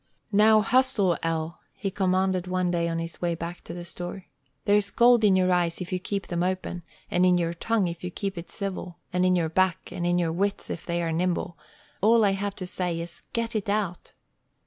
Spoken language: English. "Now hustle, El!" he commanded one day on his way back to the store. "There's gold in your eyes if you keep them open, and in your tongue if you keep it civil, and in your back and in your wits if they are nimble. All I have to say is, Get it out."